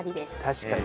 確かに。